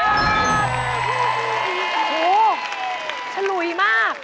โอ้โหฉลุยมาก